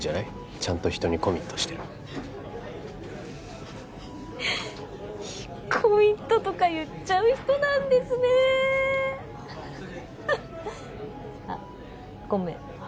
ちゃんと人にコミットしてるコミットとか言っちゃう人なんですねあっごめん